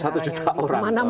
satu juta orang